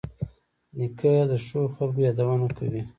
نیکه د ښو خلکو یادونه کوي.